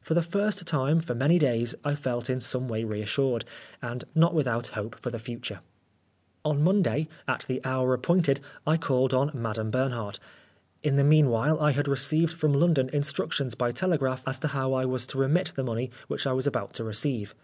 For the first time for many days I felt in some way reassured, and not without hope for the future. On Monday, at the hour appointed, I called on Madame Bernhardt. In the meanwhile I 139 Oscar Wilde had received from London instructions by telegraph as to how I was to remit the money which I was about to receive.